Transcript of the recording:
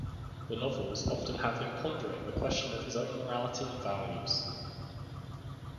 The novels often have him pondering the question of his own morality and values.